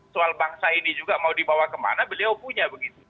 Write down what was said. soal bangsa ini juga mau dibawa kemana beliau punya begitu